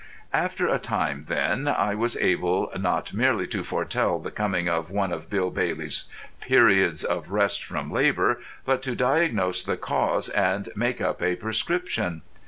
After a time, then, I was able not merely to foretell the coming of one of Bill Bailey's periods of rest from labour, but to diagnose the cause and make up a prescription.